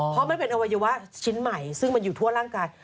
เพราะมันเป็นอวัยวะชิ้นใหม่ซึ่งมันอยู่ทั่วร่างกาย